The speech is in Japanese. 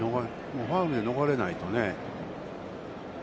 ファウルで逃れないとね。